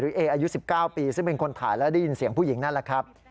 เออายุ๑๙ปีซึ่งเป็นคนถ่ายแล้วได้ยินเสียงผู้หญิงนั่นแหละครับ